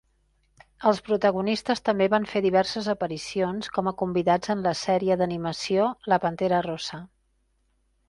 Els protagonistes també van fer diverses aparicions com a convidats en la sèrie d'animació "La Pantera Rosa".